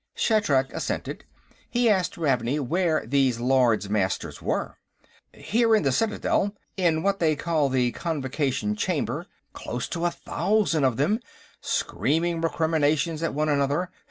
Shatrak assented. He asked Ravney where these Lords Master were. "Here in the Citadel, in what they call the Convocation Chamber. Close to a thousand of them, screaming recriminations at one another.